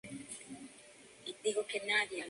Está ubicado en un antiguo vado sobre el río Derwent.